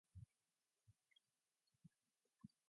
He is the author of the book "Notes of a Moscow Pianist".